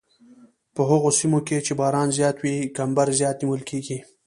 په هغو سیمو کې چې باران زیات وي کمبر زیات نیول کیږي